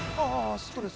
ストレス